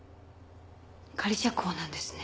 仮釈放なんですね？